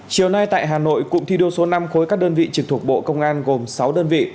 chiều nay tại hà nội cụm thi đua số năm khối các đơn vị trực thuộc bộ công an gồm sáu đơn vị